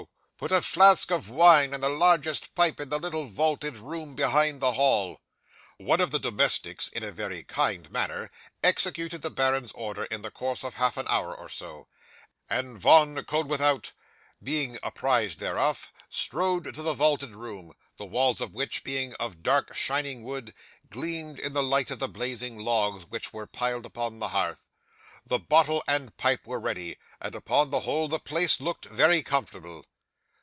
Put a flask of wine and the largest pipe in the little vaulted room behind the hall." 'One of the domestics, in a very kind manner, executed the baron's order in the course of half an hour or so, and Von Koeldwethout being apprised thereof, strode to the vaulted room, the walls of which, being of dark shining wood, gleamed in the light of the blazing logs which were piled upon the hearth. The bottle and pipe were ready, and, upon the whole, the place looked very comfortable.